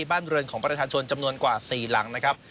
บ้านเรือนของประชาชนจำนวนกว่า๔หลังนะครับ